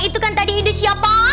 itu kan tadi ide siapa